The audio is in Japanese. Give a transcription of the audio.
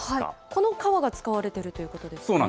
この革が使われているということですか？